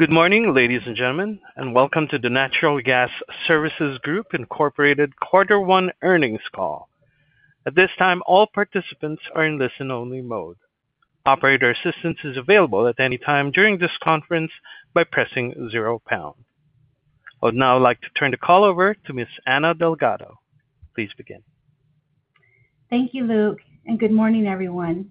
Good morning, ladies and gentlemen, and welcome to the Natural Gas Services Group Quarter One earnings call. At this time, all participants are in listen-only mode. Operator assistance is available at any time during this conference by pressing 0 #. I would now like to turn the call over to Ms. Anna Delgado. Please begin. Thank you, Luke, and good morning, everyone.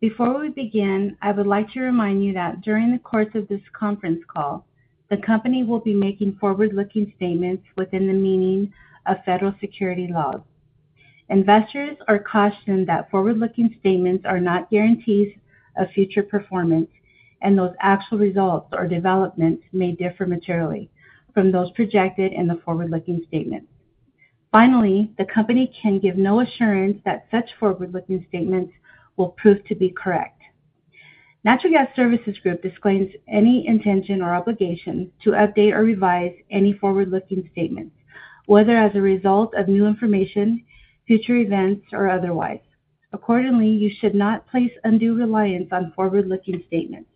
Before we begin, I would like to remind you that during the course of this conference call, the company will be making forward-looking statements within the meaning of federal security laws. Investors are cautioned that forward-looking statements are not guarantees of future performance, and that actual results or developments may differ materially from those projected in the forward-looking statements. Finally, the company can give no assurance that such forward-looking statements will prove to be correct. Natural Gas Services Group disclaims any intention or obligation to update or revise any forward-looking statements, whether as a result of new information, future events, or otherwise. Accordingly, you should not place undue reliance on forward-looking statements.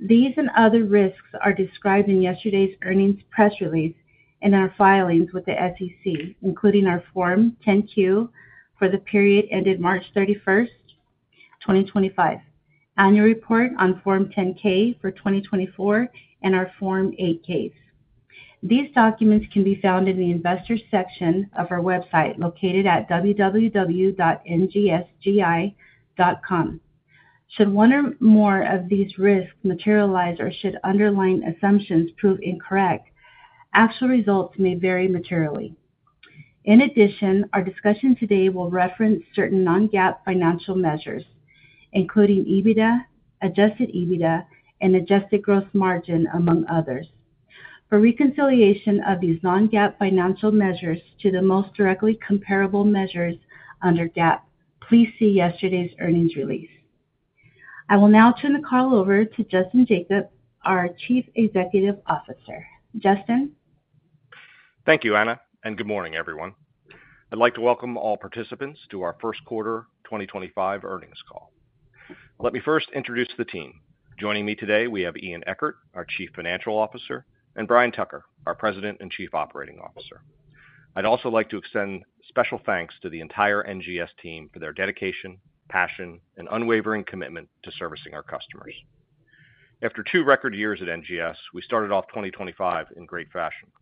These and other risks are described in yesterday's earnings press release and our filings with the SEC, including our Form 10Q for the period ended March 31, 2025, annual report on Form 10K for 2024, and our Form 8Ks. These documents can be found in the Investor Section of our website located at www.ngsgi.com. Should one or more of these risks materialize or should underlying assumptions prove incorrect, actual results may vary materially. In addition, our discussion today will reference certain non-GAAP financial measures, including EBITDA, adjusted EBITDA, and adjusted gross margin, among others. For reconciliation of these non-GAAP financial measures to the most directly comparable measures under GAAP, please see yesterday's earnings release. I will now turn the call over to Justin Jacobs, our Chief Executive Officer. Justin. Thank you, Anna, and good morning, everyone. I'd like to welcome all participants to our first quarter 2025 earnings call. Let me first introduce the team. Joining me today, we have Ian Eckert, our Chief Financial Officer, and Brian Tucker, our President and Chief Operating Officer. I'd also like to extend special thanks to the entire NGS team for their dedication, passion, and unwavering commitment to servicing our customers. After two record years at NGS, we started off 2025 in great fashion.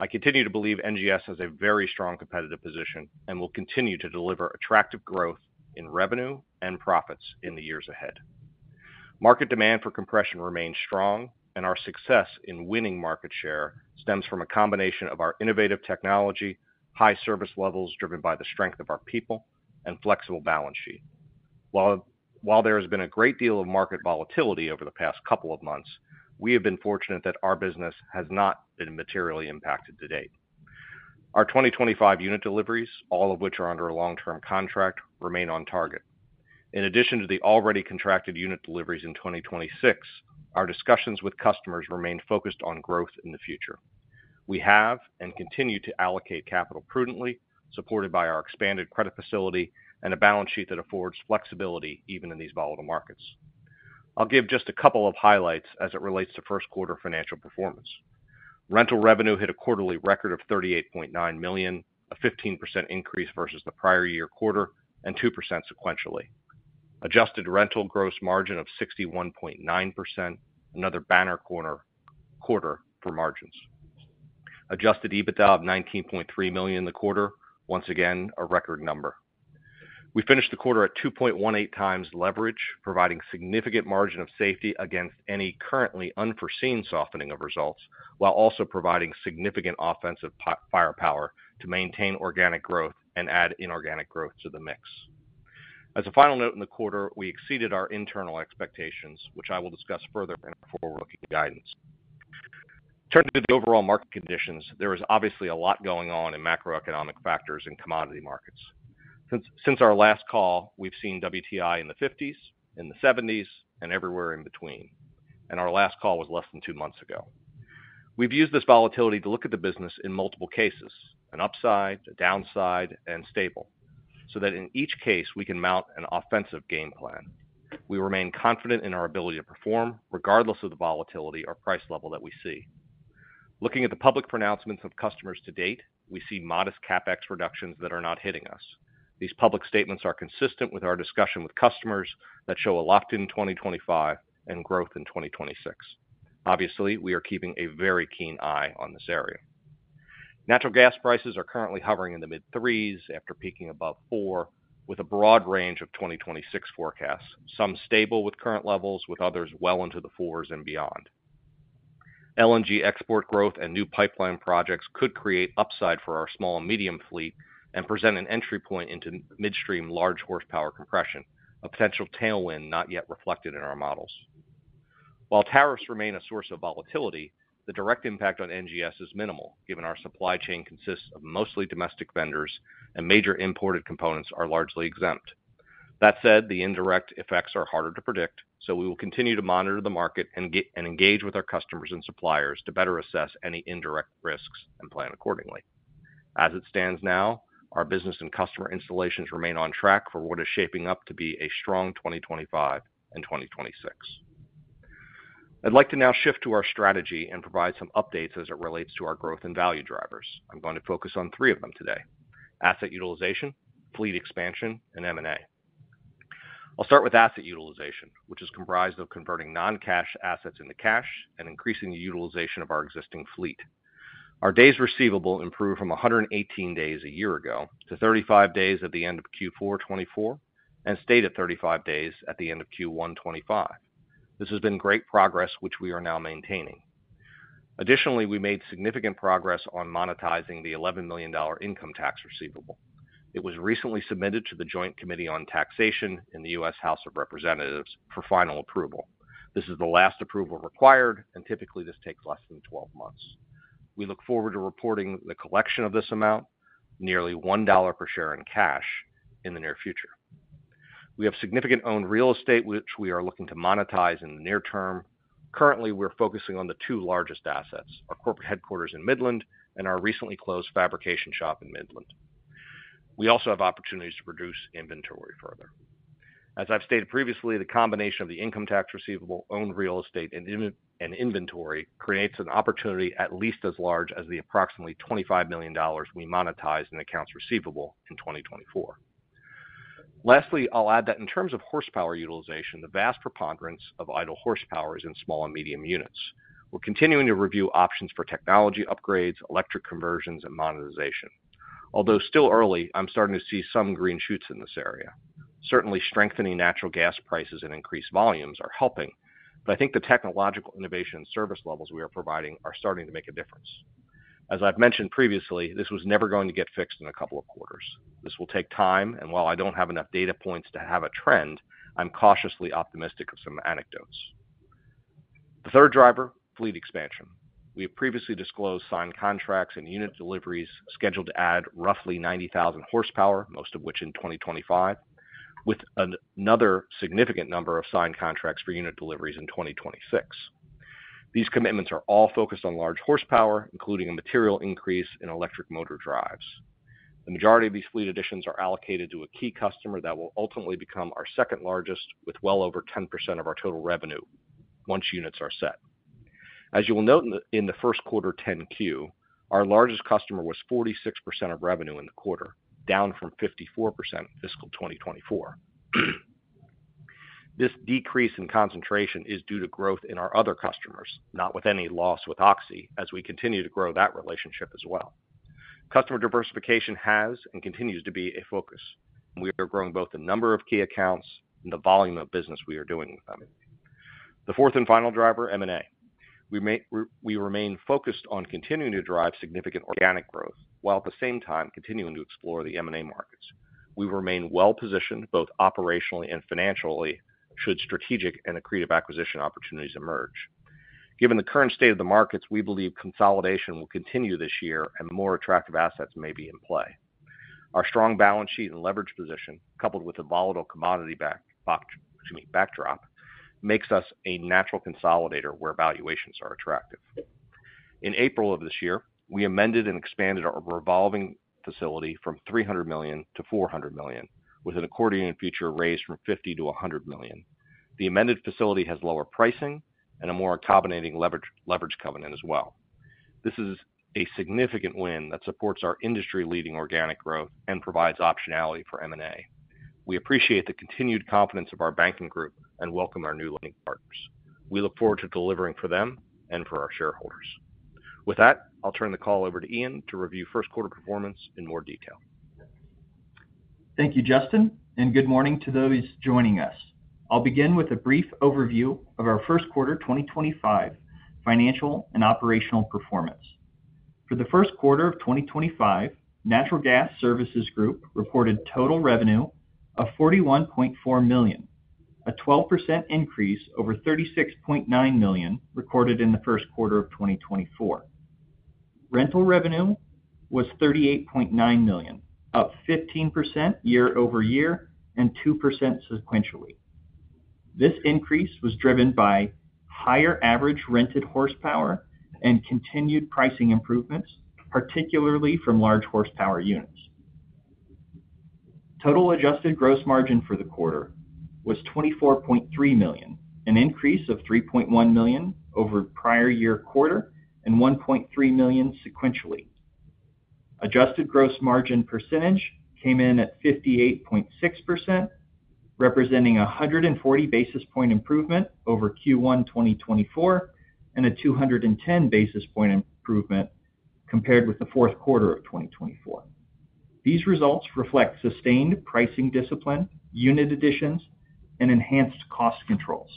I continue to believe NGS has a very strong competitive position and will continue to deliver attractive growth in revenue and profits in the years ahead. Market demand for compression remains strong, and our success in winning market share stems from a combination of our innovative technology, high service levels driven by the strength of our people, and flexible balance sheet. While there has been a great deal of market volatility over the past couple of months, we have been fortunate that our business has not been materially impacted to date. Our 2025 unit deliveries, all of which are under a long-term contract, remain on target. In addition to the already contracted unit deliveries in 2026, our discussions with customers remain focused on growth in the future. We have and continue to allocate capital prudently, supported by our expanded credit facility and a balance sheet that affords flexibility even in these volatile markets. I'll give just a couple of highlights as it relates to first quarter financial performance. Rental revenue hit a quarterly record of $38.9 million, a 15% increase versus the prior year quarter, and 2% sequentially. Adjusted rental gross margin of 61.9%, another banner quarter for margins. Adjusted EBITDA of $19.3 million in the quarter, once again a record number. We finished the quarter at 2.18 times leverage, providing significant margin of safety against any currently unforeseen softening of results, while also providing significant offensive firepower to maintain organic growth and add inorganic growth to the mix. As a final note in the quarter, we exceeded our internal expectations, which I will discuss further in our forward-looking guidance. Turning to the overall market conditions, there is obviously a lot going on in macroeconomic factors and commodity markets. Since our last call, we've seen WTI in the 50s, in the 70s, and everywhere in between, and our last call was less than two months ago. We've used this volatility to look at the business in multiple cases: an upside, a downside, and stable, so that in each case we can mount an offensive game plan. We remain confident in our ability to perform regardless of the volatility or price level that we see. Looking at the public pronouncements of customers to date, we see modest CapEx reductions that are not hitting us. These public statements are consistent with our discussion with customers that show a locked-in 2025 and growth in 2026. Obviously, we are keeping a very keen eye on this area. Natural gas prices are currently hovering in the mid-threes after peaking above four, with a broad range of 2026 forecasts, some stable with current levels, with others well into the fours and beyond. LNG export growth and new pipeline projects could create upside for our small and medium fleet and present an entry point into midstream large horsepower compression, a potential tailwind not yet reflected in our models. While tariffs remain a source of volatility, the direct impact on NGS is minimal, given our supply chain consists of mostly domestic vendors and major imported components are largely exempt. That said, the indirect effects are harder to predict, so we will continue to monitor the market and engage with our customers and suppliers to better assess any indirect risks and plan accordingly. As it stands now, our business and customer installations remain on track for what is shaping up to be a strong 2025 and 2026. I'd like to now shift to our strategy and provide some updates as it relates to our growth and value drivers. I'm going to focus on three of them today: asset utilization, fleet expansion, and M&A. I'll start with asset utilization, which is comprised of converting non-cash assets into cash and increasing the utilization of our existing fleet. Our days receivable improved from 118 days a year ago to 35 days at the end of Q4 2024 and stayed at 35 days at the end of Q1 2025. This has been great progress, which we are now maintaining. Additionally, we made significant progress on monetizing the $11 million income tax receivable. It was recently submitted to the Joint Committee on Taxation in the U.S. House of Representatives for final approval. This is the last approval required, and typically this takes less than 12 months. We look forward to reporting the collection of this amount, nearly $1 per share in cash, in the near future. We have significant owned real estate, which we are looking to monetize in the near term. Currently, we're focusing on the two largest assets: our corporate headquarters in Midland and our recently closed fabrication shop in Midland. We also have opportunities to produce inventory further. As I've stated previously, the combination of the income tax receivable, owned real estate, and inventory creates an opportunity at least as large as the approximately $25 million we monetized in accounts receivable in 2024. Lastly, I'll add that in terms of horsepower utilization, the vast preponderance of idle horsepower is in small and medium units. We're continuing to review options for technology upgrades, electric conversions, and monetization. Although still early, I'm starting to see some green shoots in this area. Certainly, strengthening natural gas prices and increased volumes are helping, but I think the technological innovation and service levels we are providing are starting to make a difference. As I've mentioned previously, this was never going to get fixed in a couple of quarters. This will take time, and while I don't have enough data points to have a trend, I'm cautiously optimistic of some anecdotes. The third driver, fleet expansion. We have previously disclosed signed contracts and unit deliveries scheduled to add roughly 90,000 horsepower, most of which in 2025, with another significant number of signed contracts for unit deliveries in 2026. These commitments are all focused on large horsepower, including a material increase in electric motor drives. The majority of these fleet additions are allocated to a key customer that will ultimately become our second largest, with well over 10% of our total revenue once units are set. As you will note in the first quarter 10Q, our largest customer was 46% of revenue in the quarter, down from 54% fiscal 2024. This decrease in concentration is due to growth in our other customers, not with any loss with Oxy, as we continue to grow that relationship as well. Customer diversification has and continues to be a focus. We are growing both the number of key accounts and the volume of business we are doing with them. The fourth and final driver, M&A. We remain focused on continuing to drive significant organic growth while at the same time continuing to explore the M&A markets. We remain well-positioned both operationally and financially should strategic and accretive acquisition opportunities emerge. Given the current state of the markets, we believe consolidation will continue this year and more attractive assets may be in play. Our strong balance sheet and leverage position, coupled with a volatile commodity backdrop, makes us a natural consolidator where valuations are attractive. In April of this year, we amended and expanded our revolving facility from $300 million to $400 million, with an accordion feature raised from $50 million to $100 million. The amended facility has lower pricing and a more accommodating leverage covenant as well. This is a significant win that supports our industry-leading organic growth and provides optionality for M&A. We appreciate the continued confidence of our banking group and welcome our new lending partners. We look forward to delivering for them and for our shareholders. With that, I'll turn the call over to Ian to review first quarter performance in more detail. Thank you, Justin, and good morning to those joining us. I'll begin with a brief overview of our first quarter 2025 financial and operational performance. For the first quarter of 2025, Natural Gas Services Group reported total revenue of $41.4 million, a 12% increase over $36.9 million recorded in the first quarter of 2024. Rental revenue was $38.9 million, up 15% year over year and 2% sequentially. This increase was driven by higher average rented horsepower and continued pricing improvements, particularly from large horsepower units. Total adjusted gross margin for the quarter was $24.3 million, an increase of $3.1 million over prior year quarter and $1.3 million sequentially. Adjusted gross margin percentage came in at 58.6%, representing a 140 basis point improvement over Q1 2024 and a 210 basis point improvement compared with the fourth quarter of 2024. These results reflect sustained pricing discipline, unit additions, and enhanced cost controls.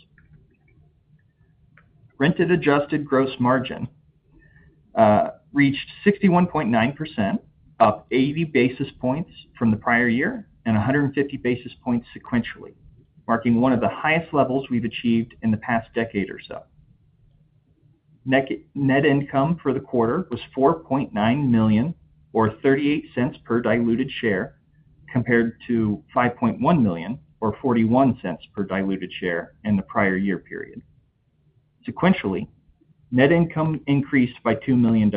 Rented adjusted gross margin reached 61.9%, up 80 basis points from the prior year and 150 basis points sequentially, marking one of the highest levels we've achieved in the past decade or so. Net income for the quarter was $4.9 million or $0.38 per diluted share compared to $5.1 million or $0.41 per diluted share in the prior year period. Sequentially, net income increased by $2 million,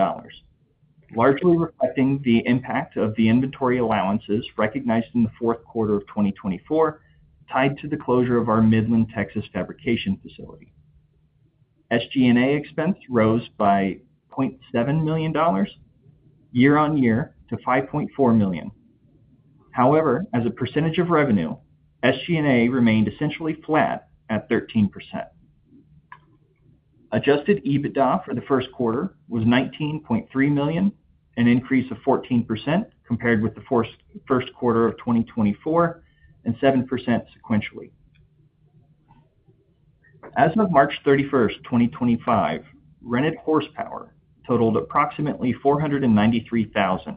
largely reflecting the impact of the inventory allowances recognized in the fourth quarter of 2024 tied to the closure of our Midland, Texas fabrication facility. SG&A expense rose by $0.7 million year on year to $5.4 million. However, as a percentage of revenue, SG&A remained essentially flat at 13%. Adjusted EBITDA for the first quarter was $19.3 million, an increase of 14% compared with the first quarter of 2024 and 7% sequentially. As of March 31, 2025, rented horsepower totaled approximately 493,000,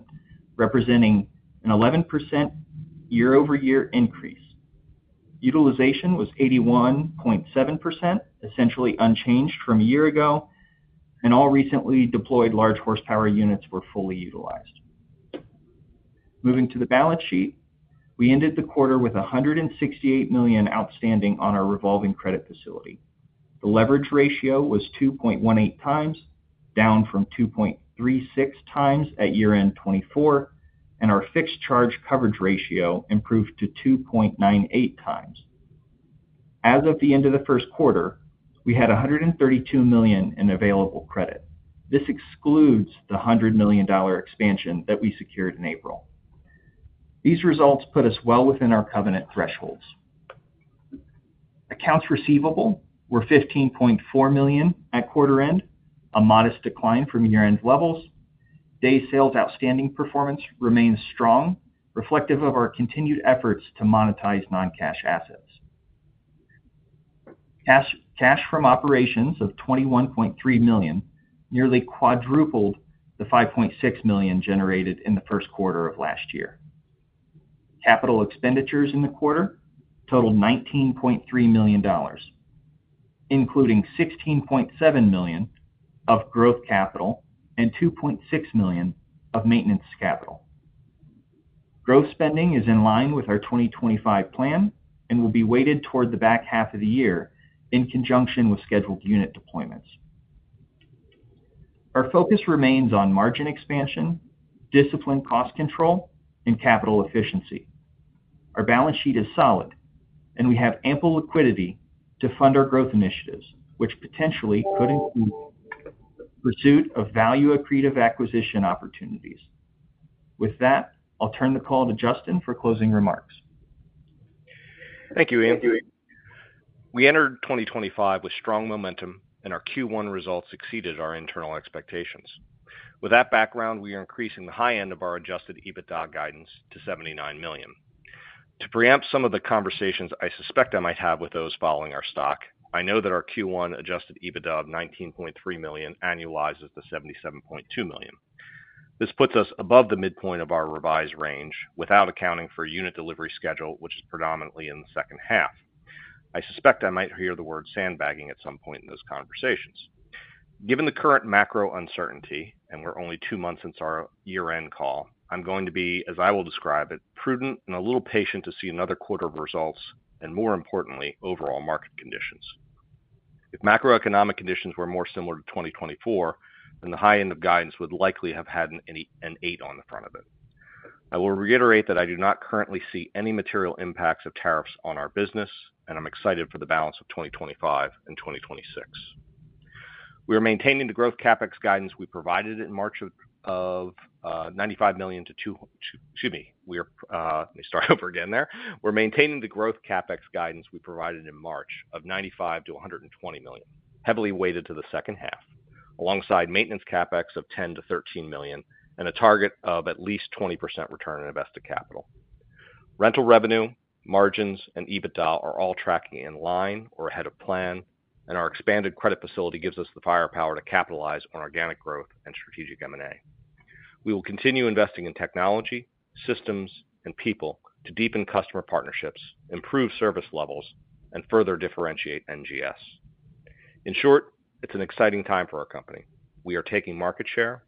representing an 11% year-over-year increase. Utilization was 81.7%, essentially unchanged from a year ago, and all recently deployed large horsepower units were fully utilized. Moving to the balance sheet, we ended the quarter with $168 million outstanding on our revolving credit facility. The leverage ratio was 2.18 times, down from 2.36 times at year-end 2024, and our fixed charge coverage ratio improved to 2.98 times. As of the end of the first quarter, we had $132 million in available credit. This excludes the $100 million expansion that we secured in April. These results put us well within our covenant thresholds. Accounts receivable were $15.4 million at quarter end, a modest decline from year-end levels. Days sales outstanding performance remains strong, reflective of our continued efforts to monetize non-cash assets. Cash from operations of $21.3 million nearly quadrupled the $5.6 million generated in the first quarter of last year. Capital expenditures in the quarter totaled $19.3 million, including $16.7 million of growth capital and $2.6 million of maintenance capital. Growth spending is in line with our 2025 plan and will be weighted toward the back half of the year in conjunction with scheduled unit deployments. Our focus remains on margin expansion, disciplined cost control, and capital efficiency. Our balance sheet is solid, and we have ample liquidity to fund our growth initiatives, which potentially could include the pursuit of value-accretive acquisition opportunities. With that, I'll turn the call to Justin for closing remarks. Thank you, Ian. We entered 2025 with strong momentum, and our Q1 results exceeded our internal expectations. With that background, we are increasing the high end of our adjusted EBITDA guidance to $79 million. To preempt some of the conversations I suspect I might have with those following our stock, I know that our Q1 adjusted EBITDA of $19.3 million annualizes to $77.2 million. This puts us above the midpoint of our revised range without accounting for unit delivery schedule, which is predominantly in the second half. I suspect I might hear the word sandbagging at some point in those conversations. Given the current macro uncertainty, and we're only two months since our year-end call, I'm going to be, as I will describe it, prudent and a little patient to see another quarter of results and, more importantly, overall market conditions. If macroeconomic conditions were more similar to 2024, then the high end of guidance would likely have had an eight on the front of it. I will reiterate that I do not currently see any material impacts of tariffs on our business, and I'm excited for the balance of 2025 and 2026. We are maintaining the growth CapEx guidance we provided in March of $95 million-$120 million, heavily weighted to the second half, alongside maintenance CapEx of $10 million-$13 million and a target of at least 20% return on invested capital. Rental revenue, margins, and EBITDA are all tracking in line or ahead of plan, and our expanded credit facility gives us the firepower to capitalize on organic growth and strategic M&A. We will continue investing in technology, systems, and people to deepen customer partnerships, improve service levels, and further differentiate NGS. In short, it's an exciting time for our company. We are taking market share,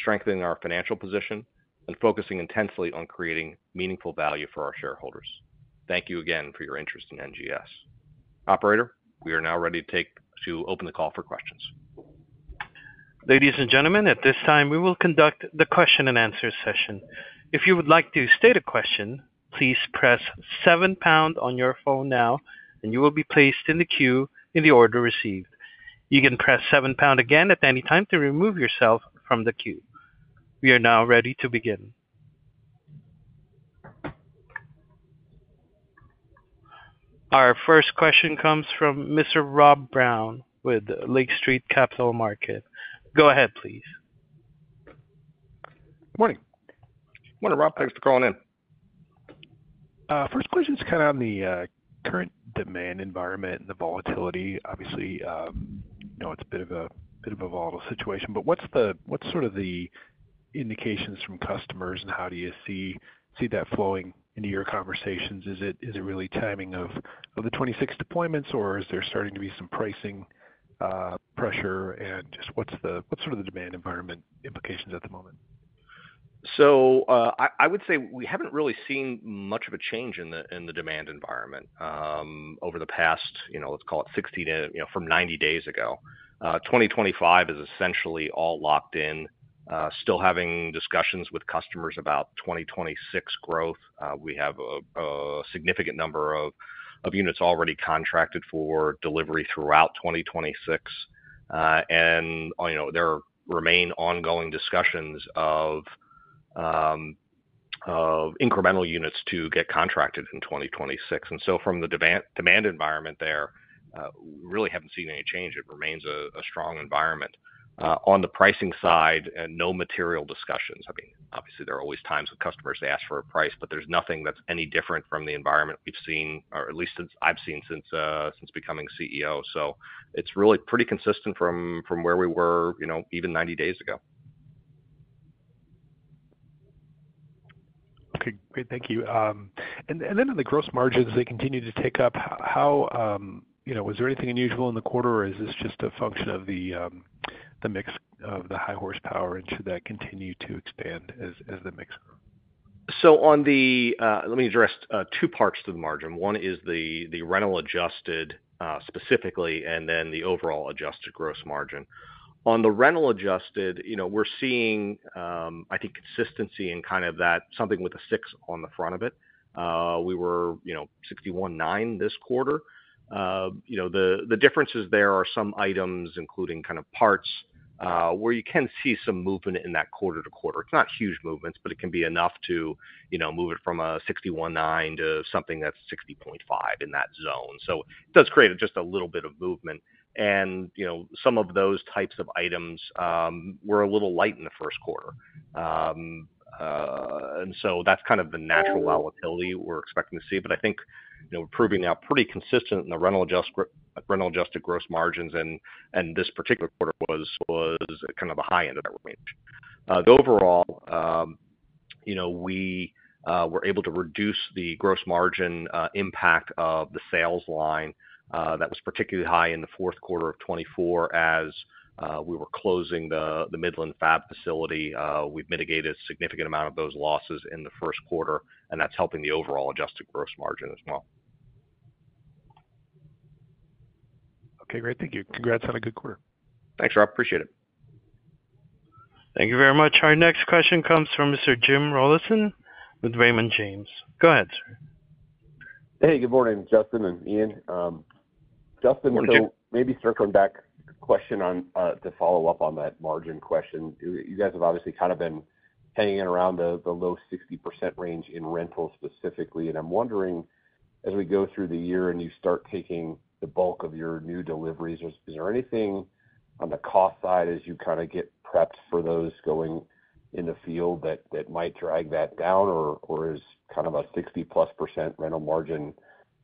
strengthening our financial position, and focusing intensely on creating meaningful value for our shareholders. Thank you again for your interest in NGS. Operator, we are now ready to open the call for questions. Ladies and gentlemen, at this time, we will conduct the question and answer session. If you would like to state a question, please press 7# on your phone now, and you will be placed in the queue in the order received. You can press 7# again at any time to remove yourself from the queue. We are now ready to begin. Our first question comes from Mr. Rob Brown with Lake Street Capital Markets. Go ahead, please. Good morning. Morning, Rob.Thanks for calling in. First question is kind of on the current demand environment and the volatility. Obviously, it's a bit of a volatile situation, but what's sort of the indications from customers, and how do you see that flowing into your conversations? Is it really timing of the 26 deployments, or is there starting to be some pricing pressure, and just what's sort of the demand environment implications at the moment? I would say we haven't really seen much of a change in the demand environment over the past, let's call it 60 from 90 days ago. 2025 is essentially all locked in, still having discussions with customers about 2026 growth. We have a significant number of units already contracted for delivery throughout 2026, and there remain ongoing discussions of incremental units to get contracted in 2026. From the demand environment there, we really haven't seen any change. It remains a strong environment. On the pricing side, no material discussions. I mean, obviously, there are always times when customers ask for a price, but there's nothing that's any different from the environment we've seen, or at least I've seen since becoming CEO. It's really pretty consistent from where we were even 90 days ago. Okay. Great. Thank you. And then on the gross margins, they continue to tick up. Was there anything unusual in the quarter, or is this just a function of the mix of the high horsepower, and should that continue to expand as the mix grows? Let me address two parts to the margin. One is the rental adjusted specifically, and then the overall adjusted gross margin. On the rental adjusted, we're seeing, I think, consistency in kind of that something with a six on the front of it. We were $61.9 million this quarter. The differences there are some items, including kind of parts, where you can see some movement in that quarter to quarter. It's not huge movements, but it can be enough to move it from a $61.9 million to something that's $60.5 million in that zone. It does create just a little bit of movement. Some of those types of items were a little light in the first quarter. That's kind of the natural volatility we're expecting to see. I think we're proving out pretty consistent in the rental adjusted gross margins, and this particular quarter was kind of the high end of that range. Overall, we were able to reduce the gross margin impact of the sales line that was particularly high in the fourth quarter of 2024 as we were closing the Midland Fab facility. We've mitigated a significant amount of those losses in the first quarter, and that's helping the overall adjusted gross margin as well. Okay. Great. Thank you. Congrats on a good quarter. Thanks, Rob. Appreciate it. Thank you very much. Our next question comes from Mr. Jim Rawlinson with Raymond James. Go ahead, sir. Hey, good morning, Justin and Ian. Justin, so maybe circling back to follow up on that margin question. You guys have obviously kind of been hanging around the low 60% range in rental specifically. I'm wondering, as we go through the year and you start taking the bulk of your new deliveries, is there anything on the cost side as you kind of get prepped for those going in the field that might drag that down, or is kind of a 60+ % rental margin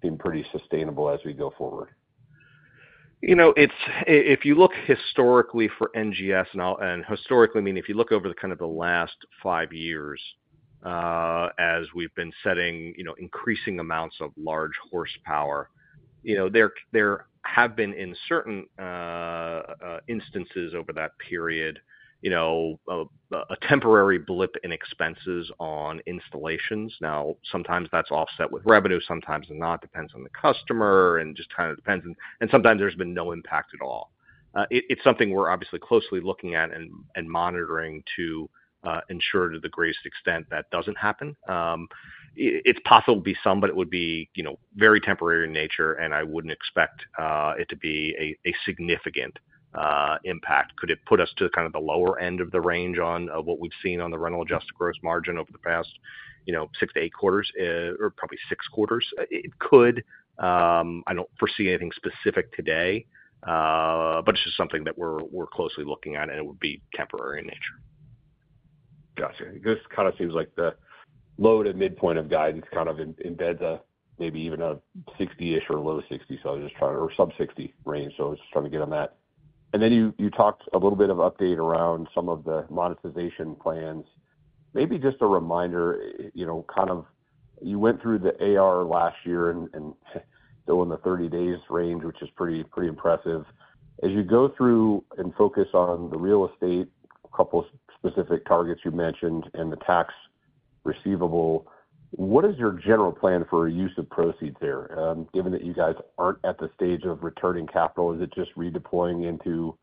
being pretty sustainable as we go forward? If you look historically for NGS, and historically mean if you look over kind of the last five years as we've been setting increasing amounts of large horsepower, there have been, in certain instances over that period, a temporary blip in expenses on installations. Now, sometimes that's offset with revenue, sometimes not, depends on the customer, and just kind of depends. Sometimes there's been no impact at all. It's something we're obviously closely looking at and monitoring to ensure to the greatest extent that doesn't happen. It's possible it would be some, but it would be very temporary in nature, and I wouldn't expect it to be a significant impact. Could it put us to kind of the lower end of the range on what we've seen on the rental adjusted gross margin over the past six to eight quarters, or probably six quarters? It could. I don't foresee anything specific today, but it's just something that we're closely looking at, and it would be temporary in nature. Gotcha. This kind of seems like the low to midpoint of guidance kind of embeds maybe even a 60-ish or low 60, so I was just trying to, or sub-60 range. I was just trying to get on that. You talked a little bit of update around some of the monetization plans. Maybe just a reminder, you went through the AR last year and still in the 30 days range, which is pretty impressive. As you go through and focus on the real estate, a couple of specific targets you mentioned, and the tax receivable, what is your general plan for use of proceeds there? Given that you guys aren't at the stage of returning capital, is it just redeploying into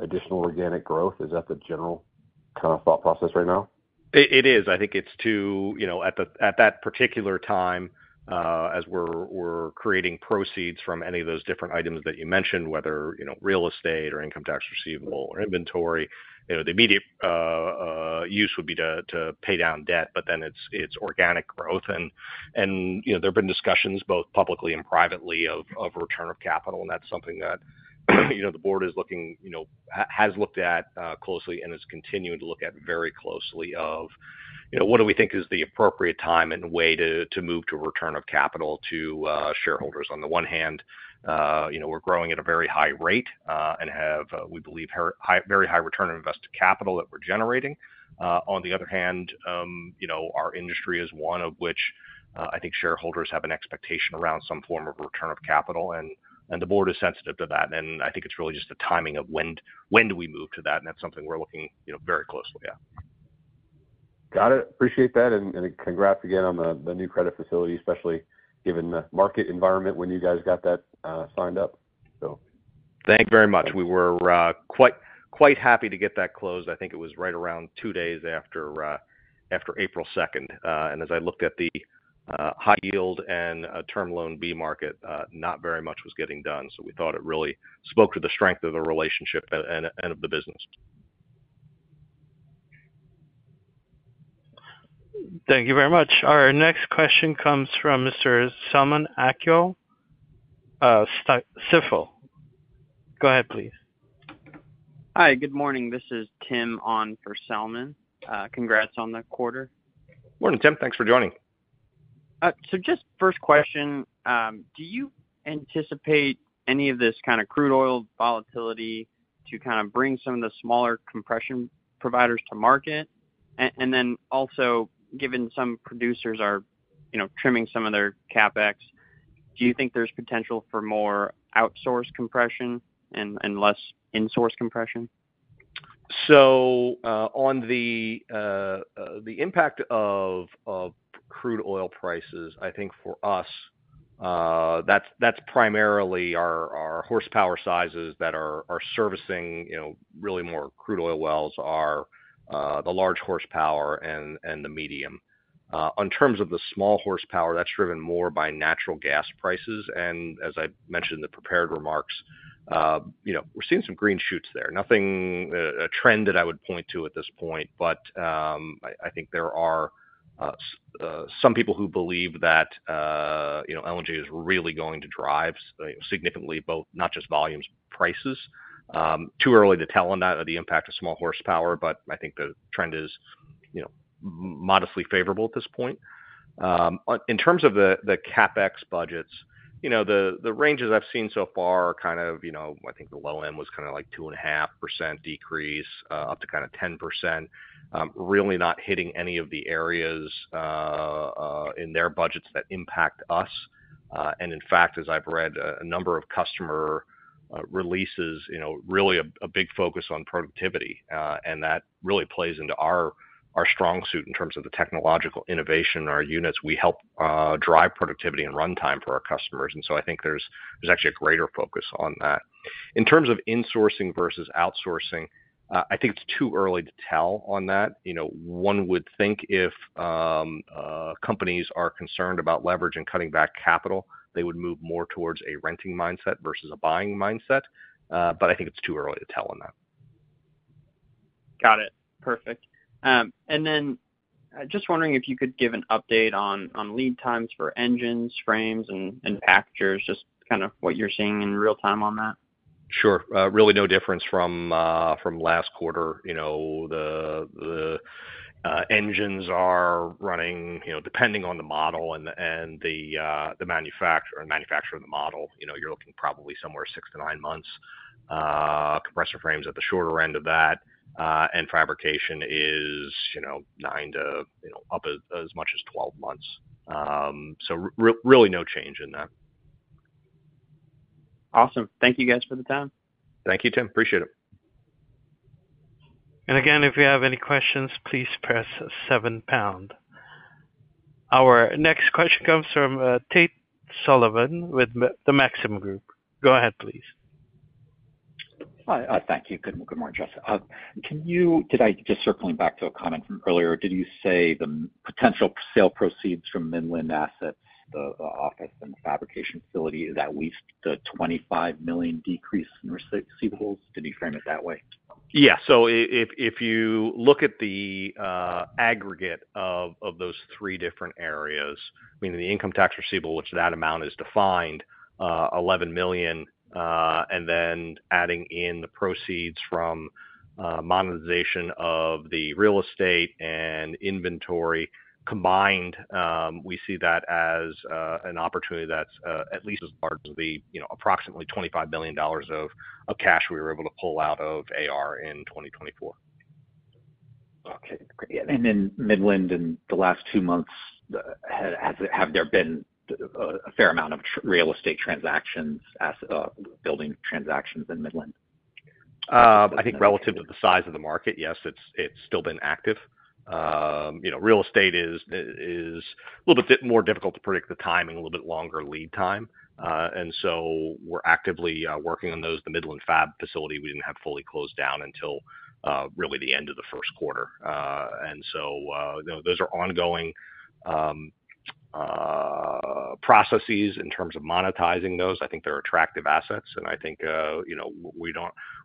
additional organic growth? Is that the general kind of thought process right now? It is. I think it's to, at that particular time, as we're creating proceeds from any of those different items that you mentioned, whether real estate or income tax receivable or inventory, the immediate use would be to pay down debt, but then it's organic growth. There have been discussions both publicly and privately of return of capital, and that's something that the board is looking, has looked at closely and is continuing to look at very closely of what do we think is the appropriate time and way to move to return of capital to shareholders. On the one hand, we're growing at a very high rate and have, we believe, very high return on invested capital that we're generating. On the other hand, our industry is one of which I think shareholders have an expectation around some form of return of capital, and the board is sensitive to that. I think it's really just the timing of when do we move to that, and that's something we're looking very closely. Got it. Appreciate that. Congrats again on the new credit facility, especially given the market environment when you guys got that signed up. Thank you very much. We were quite happy to get that closed. I think it was right around two days after April 2nd. As I looked at the high yield and term loan B market, not very much was getting done. We thought it really spoke to the strength of the relationship and of the business. Thank you very much. Our next question comes from Mr. Salman Akyol, at Stifel. Go ahead, please. Hi. Good morning. This is Tim on for Salman. Congrats on the quarter. Morning, Tim. Thanks for joining. Just first question, do you anticipate any of this kind of crude oil volatility to kind of bring some of the smaller compression providers to market? Also, given some producers are trimming some of their CapEx, do you think there's potential for more outsourced compression and less insourced compression? On the impact of crude oil prices, I think for us, that's primarily our horsepower sizes that are servicing really more crude oil wells are the large horsepower and the medium. In terms of the small horsepower, that's driven more by natural gas prices. As I mentioned in the prepared remarks, we're seeing some green shoots there. Nothing a trend that I would point to at this point, but I think there are some people who believe that LNG is really going to drive significantly both not just volumes, prices. Too early to tell on that, the impact of small horsepower, but I think the trend is modestly favorable at this point. In terms of the CapEx budgets, the ranges I've seen so far are kind of, I think the low end was kind of like a 2.5% decrease up to kind of 10%, really not hitting any of the areas in their budgets that impact us. In fact, as I've read a number of customer releases, really a big focus on productivity. That really plays into our strong suit in terms of the technological innovation in our units. We help drive productivity and runtime for our customers. I think there's actually a greater focus on that. In terms of insourcing versus outsourcing, I think it's too early to tell on that. One would think if companies are concerned about leverage and cutting back capital, they would move more towards a renting mindset versus a buying mindset. I think it's too early to tell on that. Got it. Perfect. Just wondering if you could give an update on lead times for engines, frames, and packagers, just kind of what you're seeing in real time on that. Sure. Really no difference from last quarter. The engines are running, depending on the model and the manufacturer and the model, you're looking probably somewhere six to nine months. Compressor frames at the shorter end of that. And fabrication is nine to up as much as 12 months. So really no change in that. Awesome. Thank you guys for the time. Thank you, Tim. Appreciate it. Again, if you have any questions, please press 7#. Our next question comes from Tate Sullivan with Maxim Group. Go ahead, please. Hi. Thank you. Good morning, Justin. Did I, just circling back to a comment from earlier, did you say the potential sale proceeds from Midland assets, the office and the fabrication facility, is at least a $25 million decrease in receivables? Did you frame it that way? Yeah. If you look at the aggregate of those three different areas, meaning the income tax receivable, which that amount is defined, $11 million, and then adding in the proceeds from monetization of the real estate and inventory combined, we see that as an opportunity that's at least as large as the approximately $25 billion of cash we were able to pull out of AR in 2024. Okay. In Midland, in the last two months, have there been a fair amount of real estate transactions, building transactions in Midland? I think relative to the size of the market, yes, it's still been active. Real estate is a little bit more difficult to predict the timing, a little bit longer lead time. We are actively working on those. The Midland Fab facility, we did not have fully closed down until really the end of the first quarter. Those are ongoing processes in terms of monetizing those. I think they are attractive assets. I think we are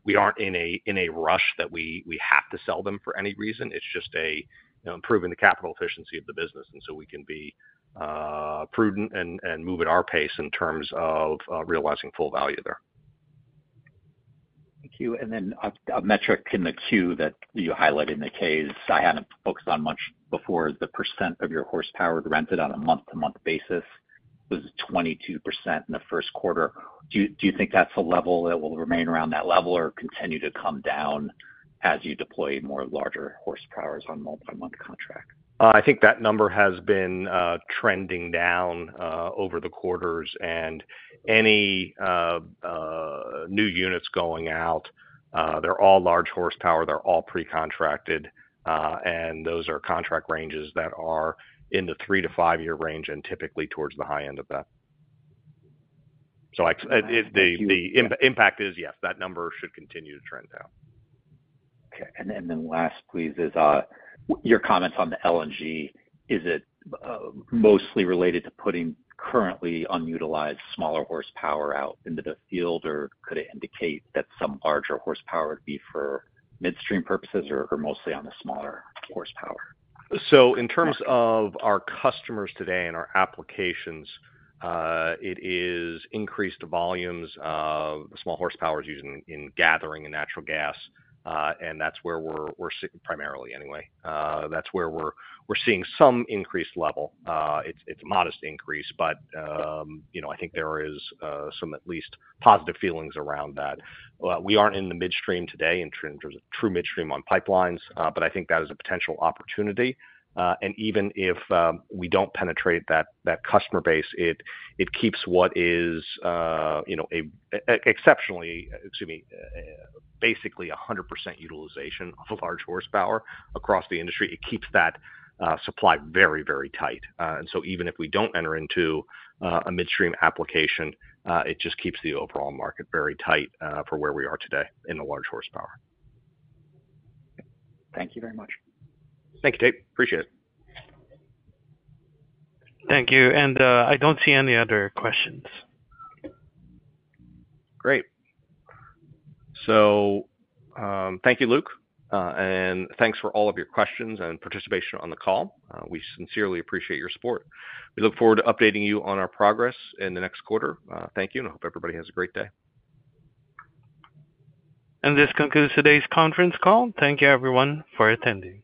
not in a rush that we have to sell them for any reason. It is just improving the capital efficiency of the business. We can be prudent and move at our pace in terms of realizing full value there. Thank you. A metric in the queue that you highlighted, in case I had not focused on it much before, the % of your horsepower rented on a month-to-month basis was 22% in the first quarter. Do you think that is a level that will remain around that level or continue to come down as you deploy more larger horsepowers on a month-to-month contract? I think that number has been trending down over the quarters. Any new units going out, they're all large horsepower. They're all pre-contracted. Those are contract ranges that are in the three- to five-year range and typically towards the high end of that. The impact is, yes, that number should continue to trend down. Okay. And then last, please, is your comments on the LNG. Is it mostly related to putting currently unutilized smaller horsepower out into the field, or could it indicate that some larger horsepower would be for midstream purposes or mostly on the smaller horsepower? In terms of our customers today and our applications, it is increased volumes of small horsepowers used in gathering and natural gas. That is where we are sitting primarily anyway. That is where we are seeing some increased level. It is a modest increase, but I think there is some at least positive feelings around that. We are not in the midstream today in terms of true midstream on pipelines, but I think that is a potential opportunity. Even if we do not penetrate that customer base, it keeps what is exceptionally, excuse me, basically 100% utilization of large horsepower across the industry. It keeps that supply very, very tight. Even if we do not enter into a midstream application, it just keeps the overall market very tight for where we are today in the large horsepower. Thank you very much. Thank you, Tate. Appreciate it. Thank you. I do not see any other questions. Great. Thank you, Luke. Thanks for all of your questions and participation on the call. We sincerely appreciate your support. We look forward to updating you on our progress in the next quarter. Thank you, and I hope everybody has a great day. This concludes today's conference call. Thank you, everyone, for attending.